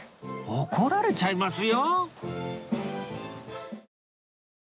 怒られちゃいますよ！